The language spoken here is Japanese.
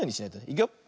いくよ。